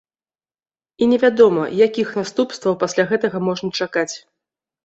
І невядома, якіх наступстваў пасля гэтага можна чакаць.